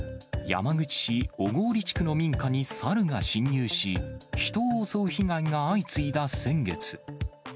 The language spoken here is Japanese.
山口市小郡地区の民家にサルが侵入し、人を襲う被害が相次いだ先月。